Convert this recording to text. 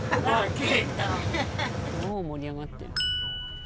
もう盛り上がってる。